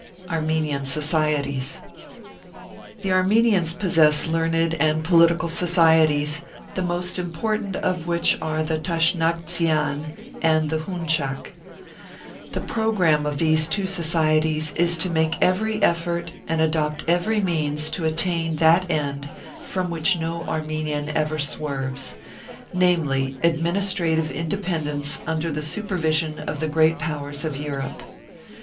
ARMENIAN SOCIETIES. The Armenians possess learned and political Societies, the most important of which are the " Tashnagtzian " and the " Hun chak." The programme of these two Societies is to make every effort and adopt every means to attain that end from which no Armenian ever Martyred Armenia 9 swerves, namely, administrative independence under the supervision of the Great Powers of Europe.